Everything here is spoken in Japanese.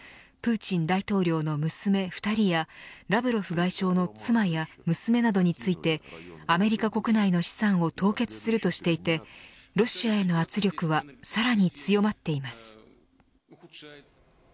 プーチン大統領の娘２人やラブロフ外相の妻や娘などについてアメリカ国内の資産を凍結するとしていてロシアへの圧力はさらに強まっています。